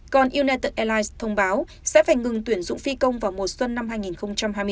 còn united airlines thông báo sẽ phải ngừng tuyển dụng phi công vào mùa xuân năm hai nghìn hai mươi bốn